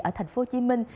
ở thành phố hồ chí minh